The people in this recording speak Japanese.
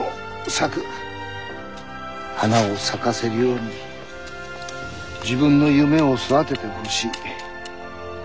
花を咲かせるように自分の夢を育ててほしい。